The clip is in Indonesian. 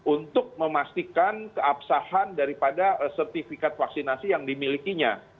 untuk memastikan keabsahan daripada sertifikat vaksinasi yang dimilikinya